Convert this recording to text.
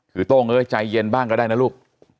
คือโต้งเอ้ยใจเย็นบ้างก็ได้นะลูก